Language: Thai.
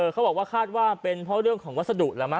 เขาบอกว่าคาดว่าเป็นเพราะเรื่องของวัสดุแล้วมั